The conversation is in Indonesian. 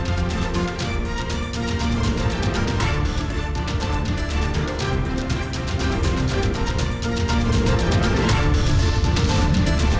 terima kasih banyak mas raffan